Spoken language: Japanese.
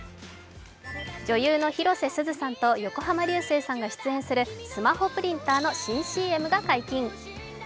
女優の広瀬すずさんと横浜流星さんが出演するスマホプリンターの新ＣＭが解禁。